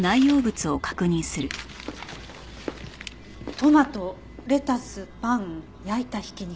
トマトレタスパン焼いた挽き肉。